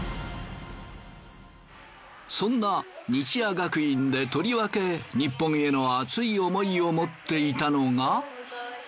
そんな日亜学院でとりわけニッポンへの熱い思いを持っていたのが。